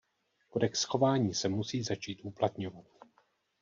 Kodex chování se musí začít uplatňovat.